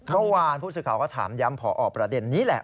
เมื่อวานผู้สื่อข่าวก็ถามย้ำผอประเด็นนี้แหละ